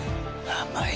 甘い！